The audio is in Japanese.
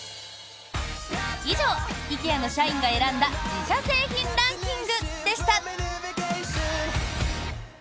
以上、ＩＫＥＡの社員が選んだ自社製品ランキングでした。